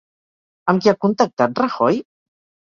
Amb qui ha contactat Rajoy?